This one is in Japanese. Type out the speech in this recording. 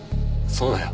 そうだよ。